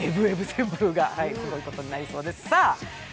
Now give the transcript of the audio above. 旋風がすごいことになりそうです。